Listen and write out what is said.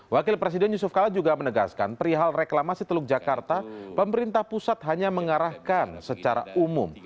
wakil presiden yusuf kala juga menegaskan perihal reklamasi teluk jakarta pemerintah pusat hanya mengarahkan secara umum